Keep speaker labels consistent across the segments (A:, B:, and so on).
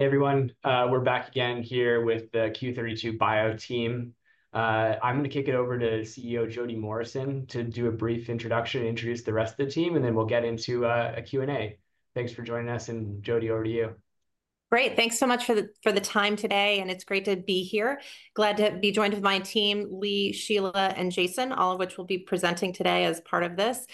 A: Everyone, we're back again here with the Q32 Bio team. I'm gonna kick it over to CEO Jodie Morrison to do a brief introduction, introduce the rest of the team, and then we'll get into a Q&A. Thanks for joining us, and Jodie, over to you.
B: Great! Thanks so much for the, for the time today, and it's great to be here. Glad to be joined with my team, Lee, Sheila, and Jason, all of which will be presenting today as part of this.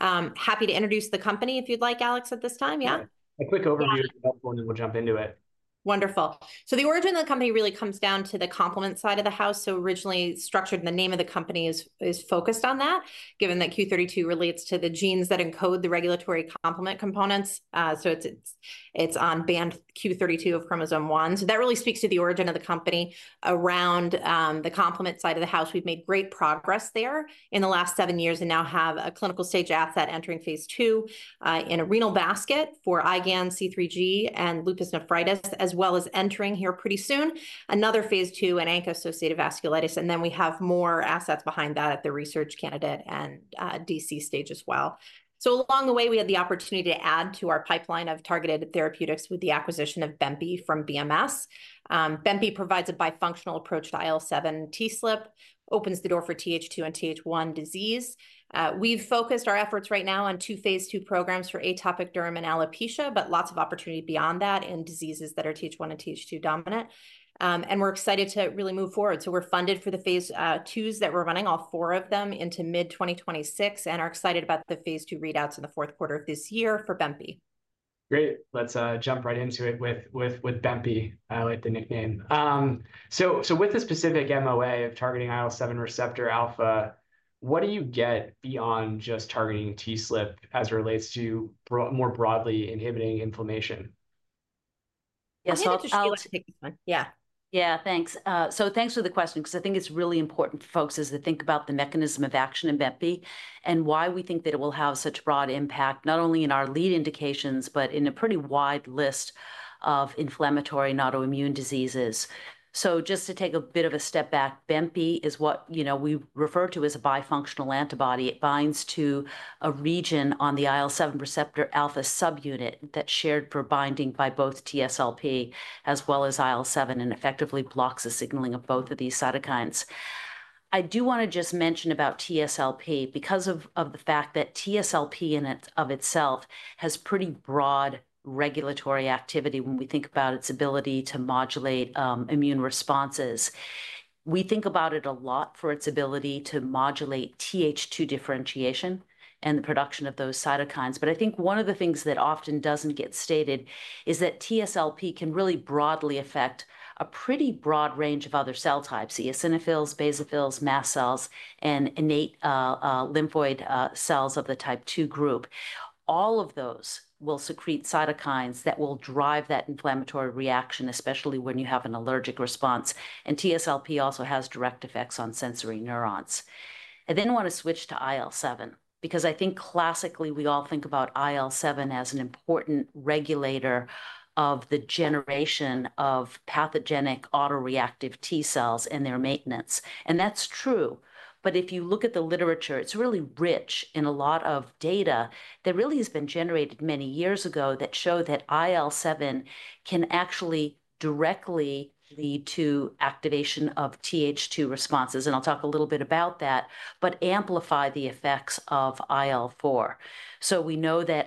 B: Happy to introduce the company if you'd like, Alex, at this time, yeah? Yeah. A quick overview, and then we'll jump into it. Wonderful. So the origin of the company really comes down to the complement side of the house, so originally structured, and the name of the company is, is focused on that, given that Q32 relates to the genes that encode the regulatory complement components. So it's on band q32 of chromosome one. So that really speaks to the origin of the company around the complement side of the house. We've made great progress there in the last seven years and now have a clinical stage asset entering phase II in a renal basket for IgAN, C3G, and lupus nephritis, as well as entering here pretty soon another phase II in ANCA-associated vasculitis, and then we have more assets behind that at the research candidate and DC stage as well. So along the way, we had the opportunity to add to our pipeline of targeted therapeutics with the acquisition of bempi from BMS. Bempi provides a bifunctional approach to IL-7, TSLP, opens the door for Th2 and Th1 disease. We've focused our efforts right now on two phase II programs for atopic derm and alopecia, but lots of opportunity beyond that in diseases that are Th1 and Th2-dominant, and we're excited to really move forward, so we're funded for the phase IIs that we're running, all four of them, into mid twenty twenty-six and are excited about the phase II readouts in the fourth quarter of this year for bempi. Great. Let's jump right into it with bempi. I like the nickname. So with the specific MOA of targeting IL-7 receptor alpha, what do you get beyond just targeting TSLP as it relates to more broadly inhibiting inflammation? Yeah, so I'll—
C: Maybe I'll just—
B: Sheila, take this one. Yeah.
C: Yeah, thanks. So thanks for the question, 'cause I think it's really important for folks is to think about the mechanism of action in bempi and why we think that it will have such broad impact, not only in our lead indications, but in a pretty wide list of inflammatory and autoimmune diseases. So just to take a bit of a step back, bempi is what, you know, we refer to as a bifunctional antibody. It binds to a region on the IL-7 receptor alpha subunit that's shared for binding by both TSLP as well as IL-7 and effectively blocks the signaling of both of these cytokines. I do wanna just mention about TSLP because of the fact that TSLP in and of itself has pretty broad regulatory activity when we think about its ability to modulate immune responses. We think about it a lot for its ability to modulate Th2 differentiation and the production of those cytokines. But I think one of the things that often doesn't get stated is that TSLP can really broadly affect a pretty broad range of other cell types: eosinophils, basophils, mast cells, and innate, lymphoid, cells of the type 2 group. All of those will secrete cytokines that will drive that inflammatory reaction, especially when you have an allergic response, and TSLP also has direct effects on sensory neurons. I then wanna switch to IL-7 because I think classically, we all think about IL-7 as an important regulator of the generation of pathogenic autoreactive T cells and their maintenance, and that's true. But if you look at the literature, it's really rich in a lot of data that really has been generated many years ago that show that IL-7 can actually directly lead to activation of Th2 responses, and I'll talk a little bit about that, but amplify the effects of IL-4. So we know that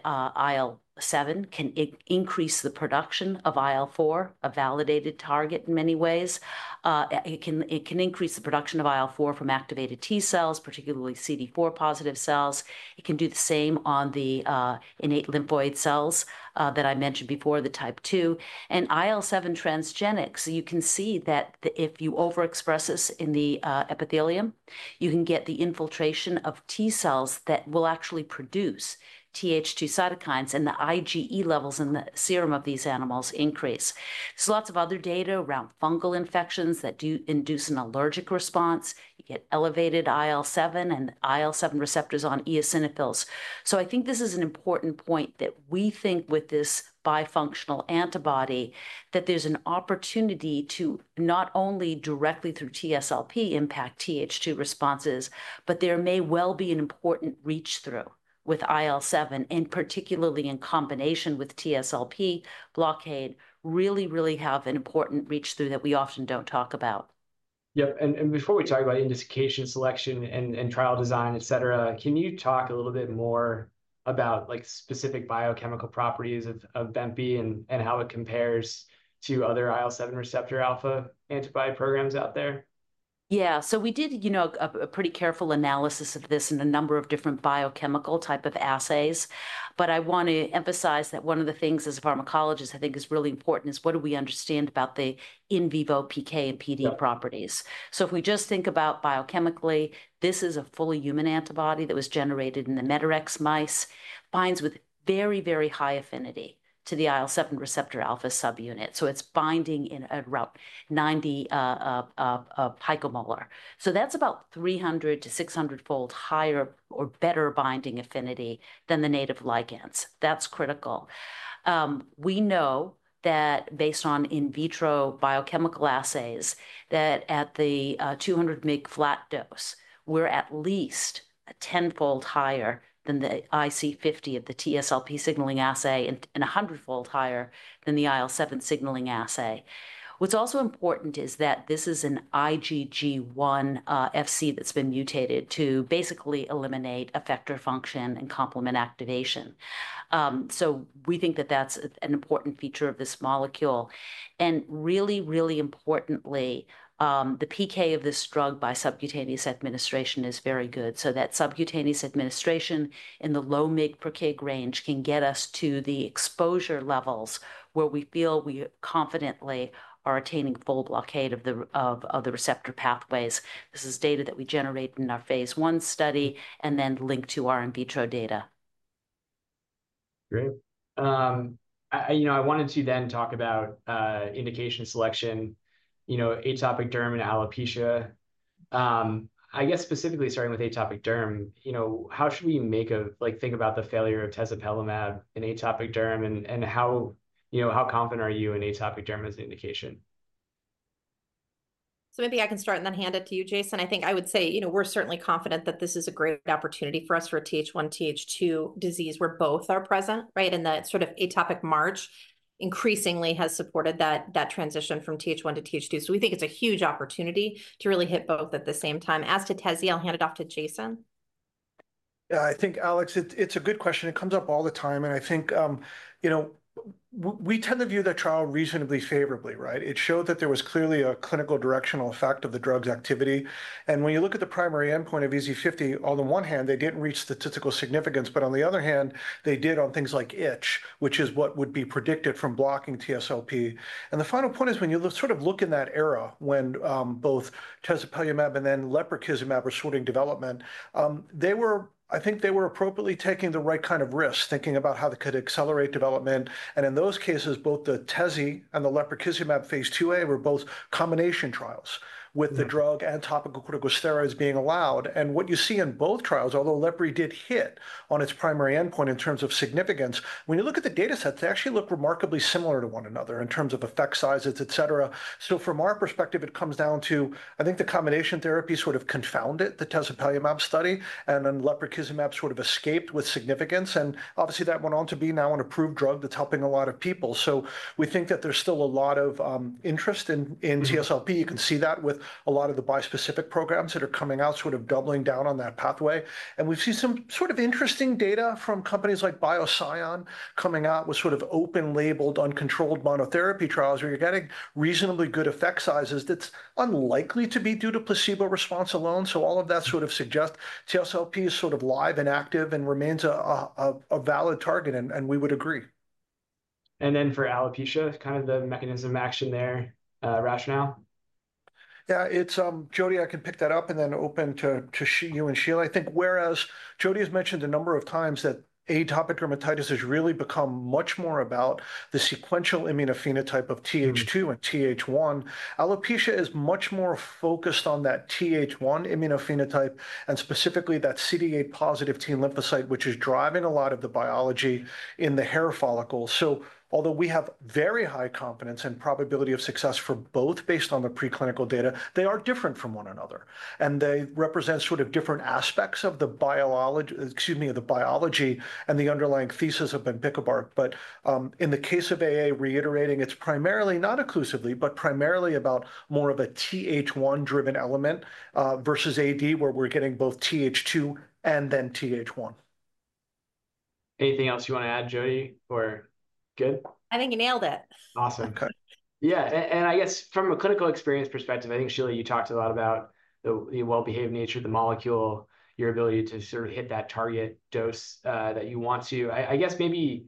C: IL-7 can increase the production of IL-4, a validated target in many ways. It can increase the production of IL-4 from activated T cells, particularly CD4 positive cells. It can do the same on the innate lymphoid cells that I mentioned before, the type two. And IL-7 transgenics, you can see that if you overexpress this in the epithelium, you can get the infiltration of T cells that will actually produce Th2 cytokines, and the IgE levels in the serum of these animals increase. There's lots of other data around fungal infections that do induce an allergic response. You get elevated IL-7 and IL-7 receptors on eosinophils. So I think this is an important point, that we think with this bifunctional antibody, that there's an opportunity to, not only directly through TSLP, impact Th2 responses, but there may well be an important reach-through with IL-7, and particularly in combination with TSLP blockade, really, really have an important reach-through that we often don't talk about. Yep, before we talk about indication selection and trial design, et cetera, can you talk a little bit more about, like, specific biochemical properties of bempi and how it compares to other IL-7 receptor alpha antibody programs out there? Yeah. So we did, you know, a pretty careful analysis of this in a number of different biochemical type of assays, but I wanna emphasize that one of the things as a pharmacologist I think is really important is, what do we understand about the in vivo PK and PD properties? Yep. So if we just think about biochemically, this is a fully human antibody that was generated in the Medarex mice, binds with very, very high affinity to the IL-7 receptor alpha subunit, so it's binding in around 90 picomolar. So that's about 300- to 600-fold higher or better binding affinity than the native ligands. That's critical. We know that based on in vitro biochemical assays, that at the 200 mg flat dose, we're at least 10-fold higher than the IC50 of the TSLP signaling assay and 100-fold higher than the IL-7 signaling assay. What's also important is that this is an IgG1 Fc that's been mutated to basically eliminate effector function and complement activation. So we think that that's an important feature of this molecule. Really, really importantly, the PK of this drug by subcutaneous administration is very good. That subcutaneous administration in the low mg per kg range can get us to the exposure levels where we feel we confidently are attaining full blockade of the receptor pathways. This is data that we generated in our phase I study and then linked to our in vitro data. Great. You know, I wanted to then talk about indication selection, you know, atopic derm and alopecia. I guess specifically starting with atopic derm, you know, how should we, like, think about the failure of tezepelumab in atopic derm and how, you know, how confident are you in atopic derm as an indication?
B: So maybe I can start and then hand it to you, Jason. I think I would say, you know, we're certainly confident that this is a great opportunity for us for a Th1/Th2 disease, where both are present, right? And that sort of atopic march increasingly has supported that, that transition from Th1 to Th2. So we think it's a huge opportunity to really hit both at the same time. As to tezepelumab, I'll hand it off to Jason.
D: Yeah, I think, Alex, it's a good question. It comes up all the time, and I think, you know, we tend to view that trial reasonably favorably, right? It showed that there was clearly a clinical directional effect of the drug's activity. And when you look at the primary endpoint of EASI-50, on the one hand, they didn't reach statistical significance, but on the other hand, they did on things like itch, which is what would be predicted from blocking TSLP. And the final point is, when you sort of look in that era, when both tezepelumab and then lebrikizumab were in development, they were appropriately taking the right kind of risk, thinking about how they could accelerate development. And in those cases, both the tezi and the lebrikizumab phase IIa were both combination trials. With the drug and topical corticosteroids being allowed, and what you see in both trials, although lebrikizumab did hit on its primary endpoint in terms of significance, when you look at the datasets, they actually look remarkably similar to one another in terms of effect sizes, et cetera. So from our perspective, it comes down to, I think, the combination therapy sort of confounded the tezepelumab study, and then lebrikizumab sort of escaped with significance. And obviously, that went on to be now an approved drug that's helping a lot of people. So we think that there's still a lot of interest in TSLP. You can see that with a lot of the bispecific programs that are coming out, sort of doubling down on that pathway, and we've seen some sort of interesting data from companies like Biosion coming out with sort of open-label, uncontrolled monotherapy trials, where you're getting reasonably good effect sizes that's unlikely to be due to placebo response alone, so all of that sort of suggests TSLP is sort of live and active and remains a valid target, and we would agree. And then for alopecia, kind of the mechanism action there, rationale? Yeah, it's Jodie. I can pick that up and then open to you and Sheila. I think whereas Jodie has mentioned a number of times that atopic dermatitis has really become much more about the sequential immunophenotype of Th2 and Th1, alopecia is much more focused on that Th1 immunophenotype, and specifically, that CD8+ T lymphocyte, which is driving a lot of the biology in the hair follicle. So although we have very high confidence and probability of success for both, based on the preclinical data, they are different from one another, and they represent sort of different aspects of the biology and the underlying thesis of bempikibart. But, in the case of AA, reiterating, it's primarily, not exclusively, but primarily about more of a Th1-driven element, versus AD, where we're getting both Th2 and then Th1. Anything else you want to add, Jodie, or good?
B: I think he nailed it. Awesome.
D: Okay. Yeah, and I guess from a clinical experience perspective, I think, Sheila, you talked a lot about the well-behaved nature of the molecule, your ability to sort of hit that target dose that you want to. I guess maybe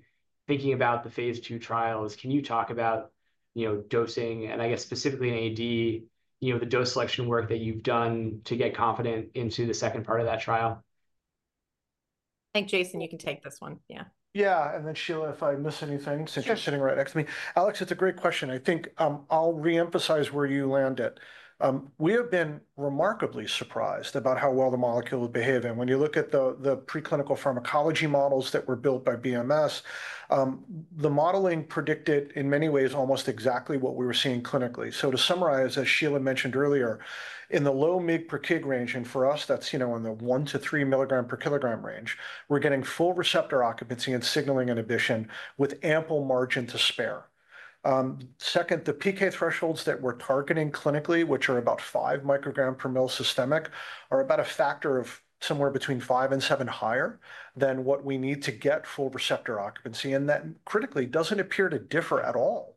D: thinking about the phase II trials, can you talk about, you know, dosing, and I guess specifically in AD, you know, the dose selection work that you've done to get confident into the second part of that trial?
B: I think, Jason, you can take this one. Yeah.
D: Yeah, and then, Sheila, if I miss anything?
C: Sure
D: Since you're sitting right next to me. Alex, it's a great question. I think, I'll reemphasize where you landed. We have been remarkably surprised about how well the molecule is behaving. When you look at the preclinical pharmacology models that were built by BMS, the modeling predicted, in many ways, almost exactly what we were seeing clinically. So to summarize, as Sheila mentioned earlier, in the low mg per kg range, and for us, that's, you know, in the one to three mg per kg range, we're getting full receptor occupancy and signaling inhibition, with ample margin to spare. Second, the PK thresholds that we're targeting clinically, which are about five microgram per mL systemic, are about a factor of somewhere between five and seven higher than what we need to get full receptor occupancy. And that, critically, doesn't appear to differ at all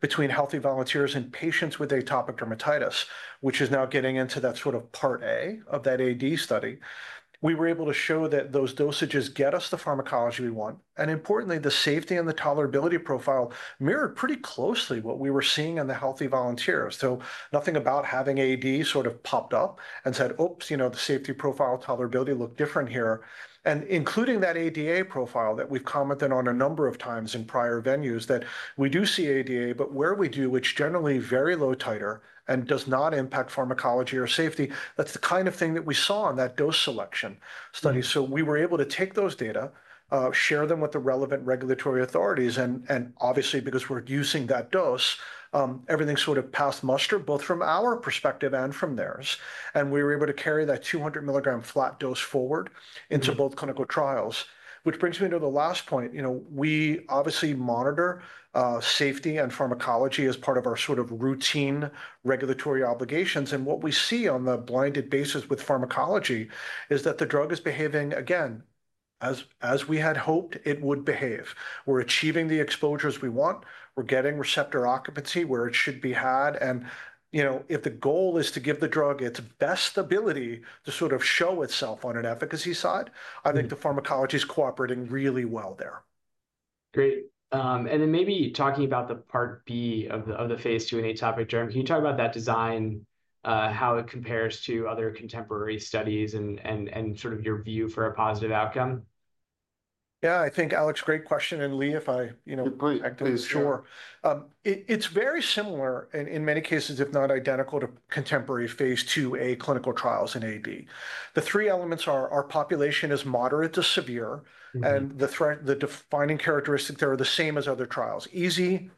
D: between healthy volunteers and patients with atopic dermatitis, which is now getting into that sort of Part A of that AD study. We were able to show that those dosages get us the pharmacology we want, and importantly, the safety and the tolerability profile mirrored pretty closely what we were seeing in the healthy volunteers. So nothing about having AD sort of popped up and said, "Oops, you know, the safety profile tolerability looked different here." And including that ADA profile that we've commented on a number of times in prior venues, that we do see ADA, but where we do, it's generally very low titer and does not impact pharmacology or safety. That's the kind of thing that we saw on that dose selection study. So we were able to take those data, share them with the relevant regulatory authorities, and obviously, because we're using that dose, everything sort of passed muster, both from our perspective and from theirs. And we were able to carry that 200 mg flat dose forward into both clinical trials. Which brings me to the last point. You know, we obviously monitor safety and pharmacology as part of our sort of routine regulatory obligations, and what we see on the blinded basis with pharmacology is that the drug is behaving, again, as we had hoped it would behave. We're achieving the exposures we want. We're getting receptor occupancy where it should be had. And, you know, if the goal is to give the drug its best ability to sort of show itself on an efficacy side, I think the pharmacology is cooperating really well there. Great. And then maybe talking about the Part B of the phase II in atopic derm, can you talk about that design? How it compares to other contemporary studies and sort of your view for a positive outcome? Yeah, I think, Alex, great question, and Lee, if I, you know-
E: Yeah, please, please.
D: Sure. It's very similar in many cases, if not identical, to contemporary Phase IIa clinical trials in AD. The three elements are, our population is moderate to severe and the thread, the defining characteristic there are the same as other trials, EASI,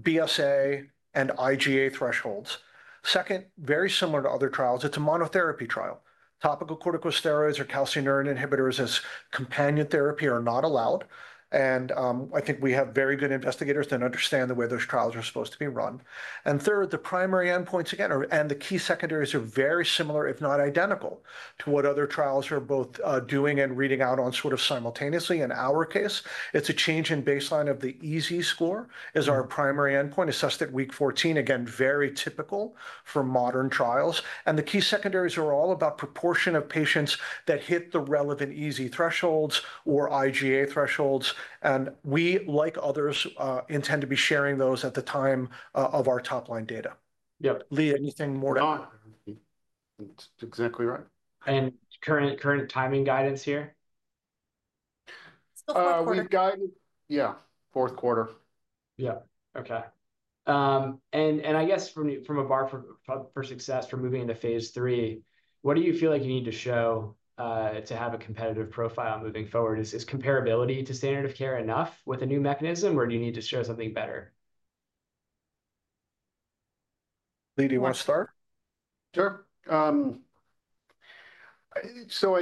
D: BSA, and IGA thresholds. Second, very similar to other trials, it's a monotherapy trial. Topical corticosteroids or calcineurin inhibitors as companion therapy are not allowed, and I think we have very good investigators that understand the way those trials are supposed to be run. And third, the primary endpoints, again, are, and the key secondaries are very similar, if not identical, to what other trials are both doing and reading out on sort of simultaneously. In our case, it's a change in baseline of the EASI score as our primary endpoint, assessed at week 14. Again, very typical for modern trials. And the key secondaries are all about proportion of patients that hit the relevant EASI thresholds or IGA thresholds, and we, like others, intend to be sharing those at the time of our top-line data.
E: Yep.
D: Lee, anything more to add?
E: No, that's exactly right. Current timing guidance here?
B: It's the fourth quarter.
E: We've guided. Yeah, fourth quarter. Yeah. Okay. And I guess from a bar for success for moving into phase III, what do you feel like you need to show to have a competitive profile moving forward? Is comparability to standard of care enough with a new mechanism, or do you need to show something better?
D: Lee, do you want to start?
E: Sure. So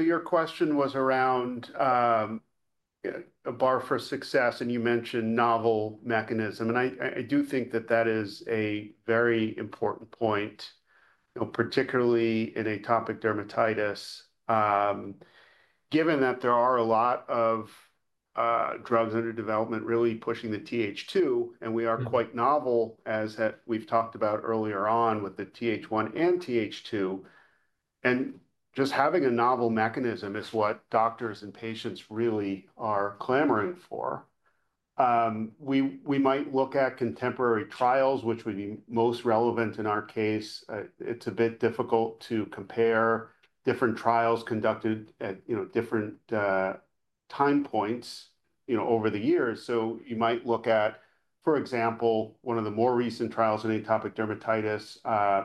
E: your question was around a bar for success, and you mentioned novel mechanism, and I do think that that is a very important point, you know, particularly in atopic dermatitis. Given that there are a lot of drugs under development really pushing the Th2, and we are quite novel, as we've talked about earlier on with the Th1 and Th2, and just having a novel mechanism is what doctors and patients really are clamoring for. We might look at contemporary trials, which would be most relevant in our case. It's a bit difficult to compare different trials conducted at, you know, different time points, you know, over the years. So you might look at, for example, one of the more recent trials in atopic dermatitis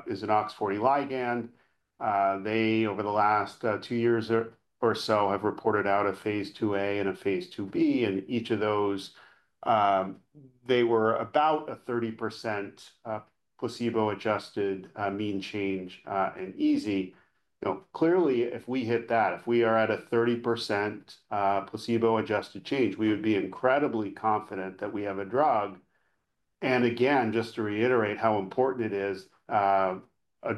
E: is an OX40 ligand. They, over the last two years or so, have reported out a phase IIa and a phase IIb, and each of those, they were about a 30% placebo-adjusted mean change in EASI. You know, clearly, if we hit that, if we are at a 30% placebo-adjusted change, we would be incredibly confident that we have a drug. And again, just to reiterate how important it is, a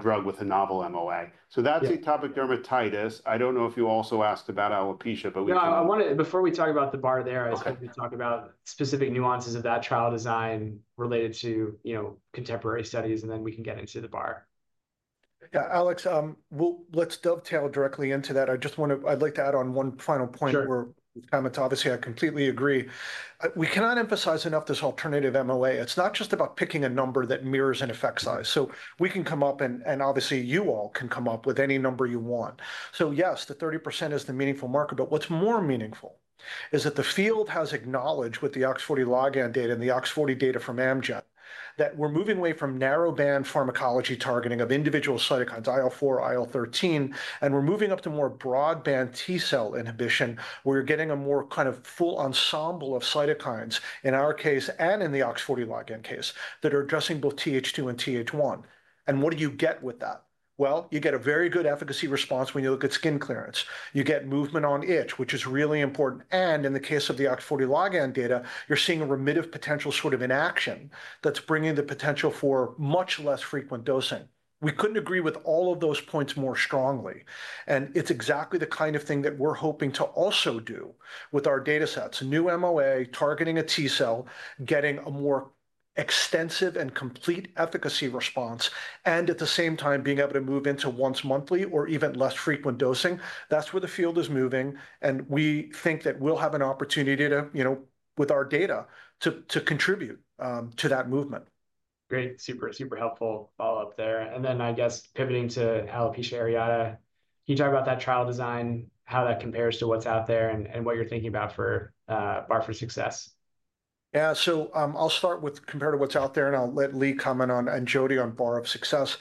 E: drug with a novel MOA. Yeah. So that's atopic dermatitis. I don't know if you also asked about alopecia, but we— No, I wanted—before we talk about the bar there— Okay. I just want to talk about specific nuances of that trial design related to, you know, contemporary studies, and then we can get into the bar.
D: Yeah, Alex, let's dovetail directly into that. I just want to, I'd like to add on one final point. Sure Obviously, I completely agree. We cannot emphasize enough this alternative MOA. It's not just about picking a number that mirrors an effect size. So we can come up, and obviously, you all can come up with any number you want. So yes, the 30% is the meaningful marker, but what's more meaningful is that the field has acknowledged with the OX40 ligand data and the OX40 data from Amgen, that we're moving away from narrowband pharmacology targeting of individual cytokines, IL-4, IL-13, and we're moving up to more broadband T cell inhibition, where you're getting a more kind of full ensemble of cytokines, in our case and in the OX40 ligand case, that are addressing both Th2 and Th1, and what do you get with that, well, you get a very good efficacy response when you look at skin clearance. You get movement on itch, which is really important. And in the case of the OX40 ligand data, you're seeing a remittive potential sort of inaction that's bringing the potential for much less frequent dosing. We couldn't agree with all of those points more strongly, and it's exactly the kind of thing that we're hoping to also do with our datasets. A new MOA, targeting a T cell, getting a more extensive and complete efficacy response, and at the same time, being able to move into once-monthly or even less frequent dosing. That's where the field is moving, and we think that we'll have an opportunity to, you know, with our data, to contribute to that movement. Great. Super, super helpful follow-up there, and then, I guess pivoting to alopecia areata, can you talk about that trial design, how that compares to what's out there, and what you're thinking about for bar for success? Yeah. So, I'll start with compared to what's out there, and I'll let Lee comment on, and Jodie, on bar of success.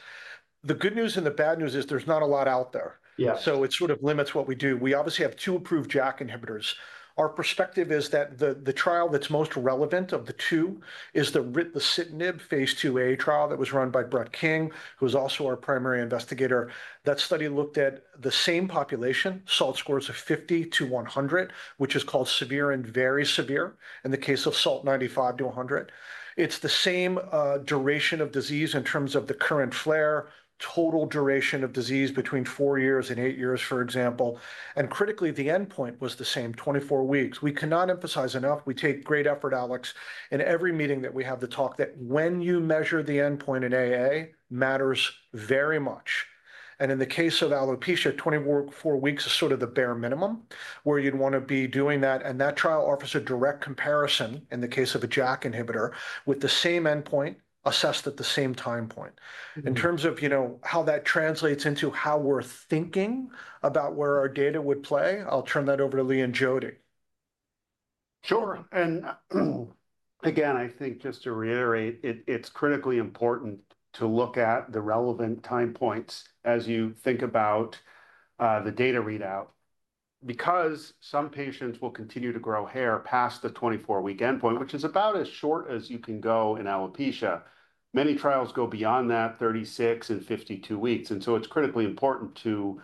D: The good news and the bad news is there's not a lot out there. Yeah. So it sort of limits what we do. We obviously have two approved JAK inhibitors. Our perspective is that the trial that's most relevant of the two is the ritlecitinib phase IIa trial that was run by Brett King, who's also our primary investigator. That study looked at the same population, SALT scores of 50-100, which is called severe and very severe, in the case of SALT, 95-100. It's the same duration of disease in terms of the current flare, total duration of disease between four years and eight years, for example. And critically, the endpoint was the same, 24 weeks. We cannot emphasize enough. We take great effort, Alex, in every meeting that we have to talk, that when you measure the endpoint in AA, matters very much. And in the case of alopecia, twenty-four weeks is sort of the bare minimum where you'd wanna be doing that, and that trial offers a direct comparison, in the case of a JAK inhibitor, with the same endpoint assessed at the same time point. In terms of, you know, how that translates into how we're thinking about where our data would play, I'll turn that over to Lee and Jodie.
E: Sure, and, again, I think just to reiterate, it's critically important to look at the relevant time points as you think about the data readout. Because some patients will continue to grow hair past the 24-week endpoint, which is about as short as you can go in alopecia. Many trials go beyond that, 36 and 52 weeks, and so it's critically important to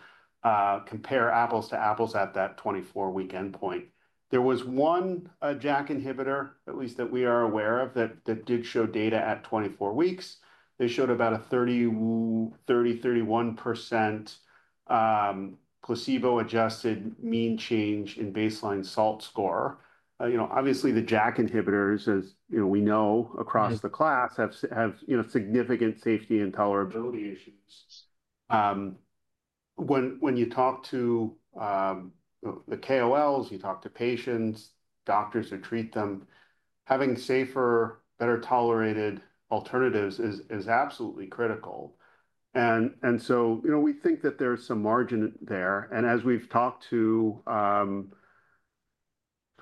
E: compare apples to apples at that 24-week endpoint. There was one JAK inhibitor, at least that we are aware of, that did show data at 24 weeks. They showed about a 31% placebo-adjusted mean change in baseline SALT score. You know, obviously, the JAK inhibitors, as you know, we know across the class, have, you know, significant safety and tolerability issues. When you talk to the KOLs, you talk to patients, doctors who treat them, having safer, better-tolerated alternatives is absolutely critical. And so, you know, we think that there's some margin there, and as we've talked to sort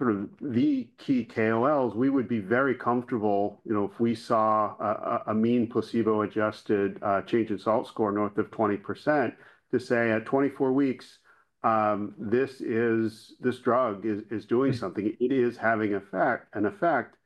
E: of the key KOLs, we would be very comfortable, you know, if we saw a mean placebo-adjusted change in SALT score north of 20%, to say at 24 weeks, this is—this drug is doing something. It is having effect, an effect.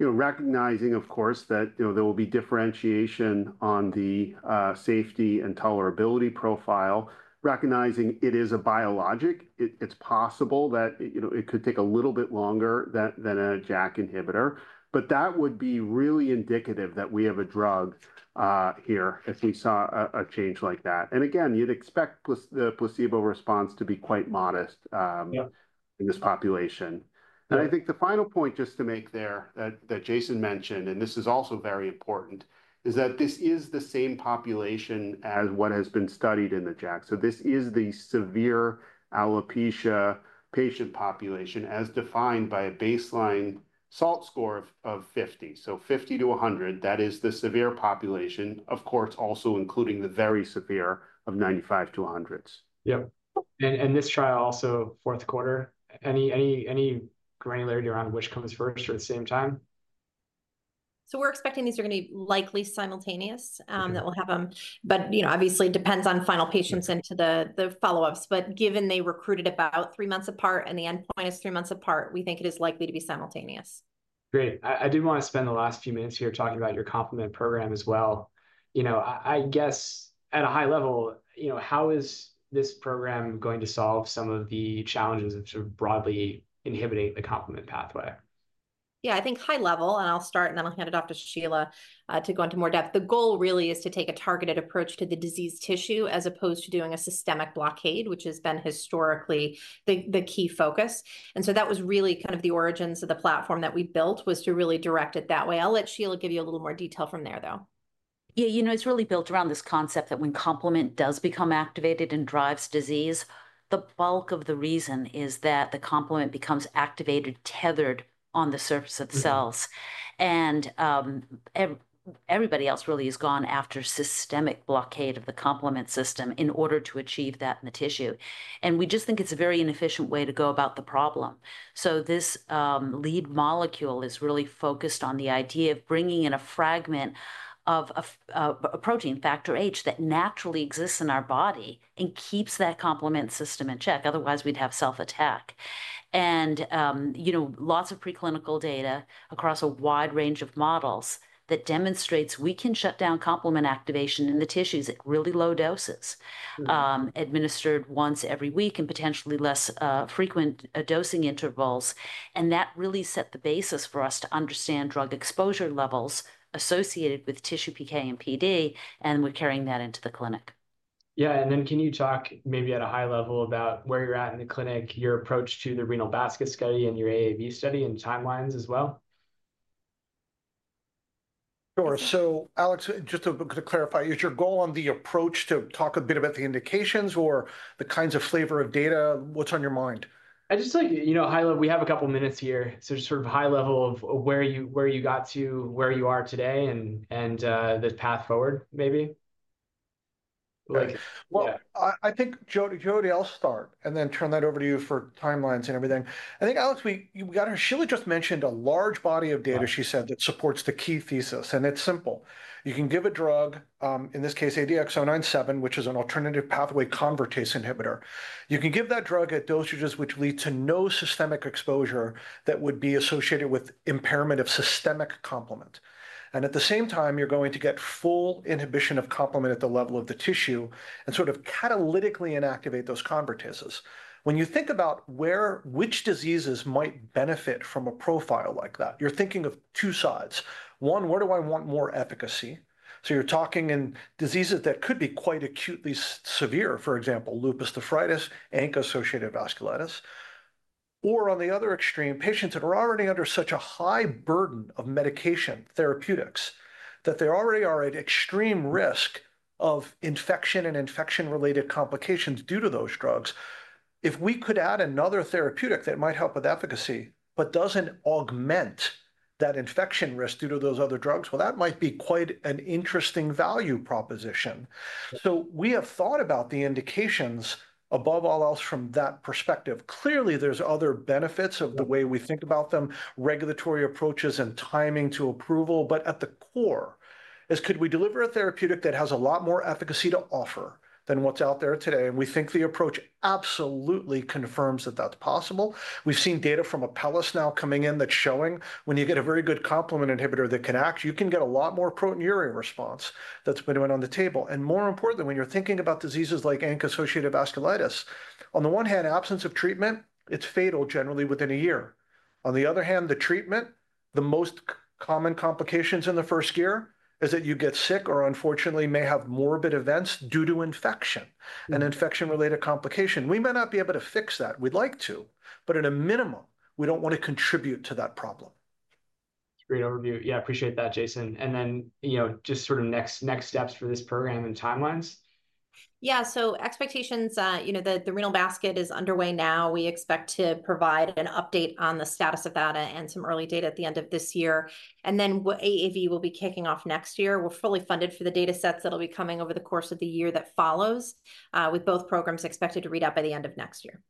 E: You know, recognizing, of course, that, you know, there will be differentiation on the safety and tolerability profile. Recognizing it is a biologic, it's possible that, you know, it could take a little bit longer than a JAK inhibitor, but that would be really indicative that we have a drug here, if we saw a change like that. And again, you'd expect the placebo response to be quite modest in this population. Yeah. I think the final point just to make there, that Jason mentioned, and this is also very important, is that this is the same population as what has been studied in the JAK. So this is the severe alopecia patient population, as defined by a baseline SALT score of 50. So 50-100, that is the severe population. Of course, also including the very severe, of 95-100. Yep. And this trial also, fourth quarter, any granularity around which comes first or the same time?
B: So we're expecting these are gonna be likely simultaneous that we'll have them. But, you know, obviously, it depends on final patients into the follow-ups. But given they recruited about three months apart, and the endpoint is three months apart, we think it is likely to be simultaneous. Great. I did wanna spend the last few minutes here talking about your complement program as well. You know, I guess at a high level, you know, how is this program going to solve some of the challenges of sort of broadly inhibiting the complement pathway? Yeah, I think high level, and I'll start, and then I'll hand it off to Sheila to go into more depth. The goal really is to take a targeted approach to the diseased tissue, as opposed to doing a systemic blockade, which has been historically the key focus. And so that was really kind of the origins of the platform that we built, was to really direct it that way. I'll let Sheila give you a little more detail from there, though.
C: Yeah, you know, it's really built around this concept that when complement does become activated and drives disease, the bulk of the reason is that the complement becomes activated, tethered on the surface of cells. And everybody else really has gone after systemic blockade of the complement system in order to achieve that in the tissue, and we just think it's a very inefficient way to go about the problem. So this lead molecule is really focused on the idea of bringing in a fragment of a protein, factor H, that naturally exists in our body and keeps that complement system in check, otherwise we'd have self-attack. You know, lots of preclinical data across a wide range of models that demonstrates we can shut down complement activation in the tissues at really low doses administered once every week, and potentially less frequent dosing intervals. And that really set the basis for us to understand drug exposure levels associated with tissue PK and PD, and we're carrying that into the clinic. Yeah, and then can you talk maybe at a high level about where you're at in the clinic, your approach to the renal basket study and your AAV study, and timelines as well?
D: Sure. So Alex, just to clarify, is your goal on the approach to talk a bit about the indications or the kinds of flavor of data? What's on your mind? I'd just like, you know, high level. We have a couple minutes here, so just sort of high level of where you are today, and the path forward maybe. Right.
E: Yeah.
D: I think Jodie, I'll start, and then turn that over to you for timelines and everything. I think, Alex, we've got—Sheila just mentioned a large body of data-she said, that supports the key thesis, and it's simple. You can give a drug, in this case, ADX-097, which is an alternative pathway convertase inhibitor. You can give that drug at dosages which lead to no systemic exposure that would be associated with impairment of systemic complement. And at the same time, you're going to get full inhibition of complement at the level of the tissue, and sort of catalytically inactivate those convertases. When you think about which diseases might benefit from a profile like that, you're thinking of two sides. One, where do I want more efficacy? So you're talking in diseases that could be quite acutely severe, for example, lupus nephritis, ANCA-associated vasculitis. Or on the other extreme, patients that are already under such a high burden of medication therapeutics, that they already are at extreme risk of infection and infection-related complications due to those drugs. If we could add another therapeutic that might help with efficacy, but doesn't augment that infection risk due to those other drugs, well, that might be quite an interesting value proposition. So we have thought about the indications, above all else, from that perspective. Clearly, there's other benefits, of the way we think about them, regulatory approaches and timing to approval. But at the core, is could we deliver a therapeutic that has a lot more efficacy to offer than what's out there today? And we think the approach absolutely confirms that that's possible. We've seen data from Apellis now coming in that's showing when you get a very good complement inhibitor that can act, you can get a lot more proteinuria response that's been put on the table. And more importantly, when you're thinking about diseases like ANCA-associated vasculitis, on the one hand, absence of treatment, it's fatal generally within a year. On the other hand, the treatment, the most common complications in the first year, is that you get sick or unfortunately may have morbid events due to infection and infection-related complication. We may not be able to fix that. We'd like to, but at a minimum, we don't wanna contribute to that problem. Great overview. Yeah, appreciate that, Jason. And then, you know, just sort of next steps for this program and timelines.
B: Yeah, so expectations, you know, the renal basket is underway now. We expect to provide an update on the status of that, and some early data at the end of this year. And then what AAV will be kicking off next year, we're fully funded for the datasets that'll be coming over the course of the year that follows, with both programs expected to read out by the end of next year.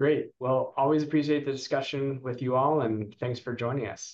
B: Great. Well, always appreciate the discussion with you all, and thanks for joining us.